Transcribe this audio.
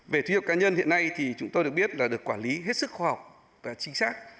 về thu nhập cá nhân hiện nay thì chúng tôi được biết là được quản lý hết sức khoa học và chính xác